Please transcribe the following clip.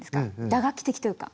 打楽器的というか。